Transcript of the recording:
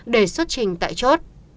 để xuất trình tại chốt